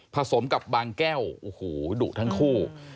สมกับบางแก้วโอ้โหดุทั้งคู่